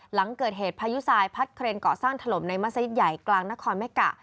หลังเกิดเหตุพายุทรายพัดเครนเกาะสร้างถล่มในมัศยิตใหญ่กลางนครแม่กะ